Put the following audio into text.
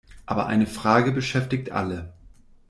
Aber eine Frage beschäftigt alle.